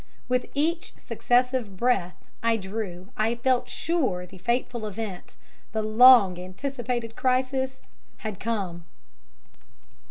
With each successive breath I drew I felt sure the fateful event the long anticipated crisis had come.